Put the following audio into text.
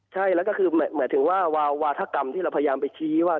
ใช่แล้วก็คือหมายถึงว่าวาวาธกรรมที่เราพยายามไปชี้ว่า